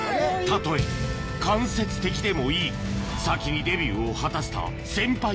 たとえ間接的でもいい先にデビューを果たした先輩